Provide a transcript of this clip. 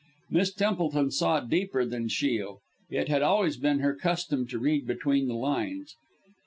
Miss Templeton saw deeper than Shiel it had always been her custom to read between the lines.